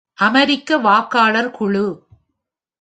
"அமெரிக்க வாக்காளர் குழு".